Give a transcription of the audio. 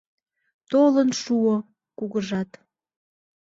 Толын шуо — кугыжат